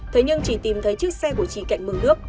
thế nhưng chỉ tìm thấy chiếc xe của chị cạnh mừng nước